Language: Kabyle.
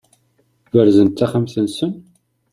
Berzent-d taxxamt-nsent?